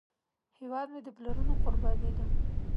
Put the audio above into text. هیواد مې د پلرونو قرباني ده